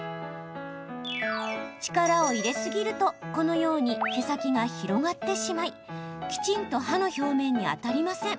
力を入れ過ぎるとこのように毛先が広がってしまいきちんと歯の表面に当たりません。